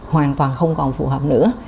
hoàn toàn không còn phù hợp nữa